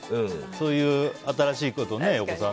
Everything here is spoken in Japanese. そういう新しいことをね、横澤。